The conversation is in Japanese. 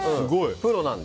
プロなので。